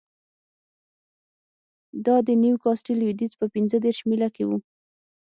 دا د نیوکاسټل لوېدیځ په پنځه دېرش میله کې و